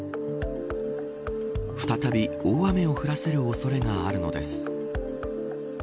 再び大雨を降らせる恐れがあるのです。